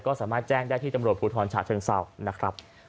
ก็สามารถแจ้งได้ที่ตำรวจภูทรฉะเชิงเศร้านะครับ